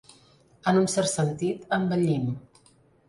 En un cert sentit, embellim.